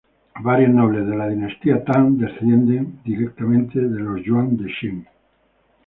Varios nobles de la dinastía Tang descienden directamente de los Yuan de Chen.